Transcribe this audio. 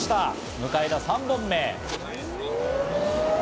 迎えた３本目。